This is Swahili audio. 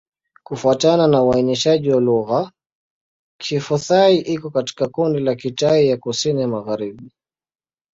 Kufuatana na uainishaji wa lugha, Kiphu-Thai iko katika kundi la Kitai ya Kusini-Magharibi.